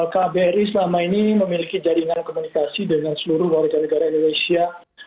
kbri selama ini memiliki jaringan komunikasi dengan seluruh warga negara indonesia